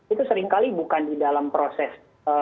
itu seringkali bukan di dalam proses